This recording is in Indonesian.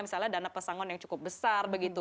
misalnya dana pesangon yang cukup besar begitu